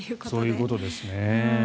そういうことですね。